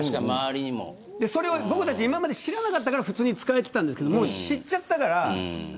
それは僕たち今まで知らなかったから使えていたけどもう知っちゃったから。